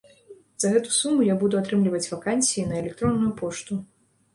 За гэту суму я буду атрымліваць вакансіі на электронную пошту.